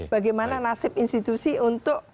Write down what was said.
bagaimana nasib institusi untuk